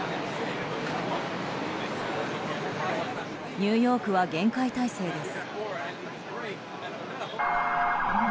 ニューヨークは厳戒態勢です。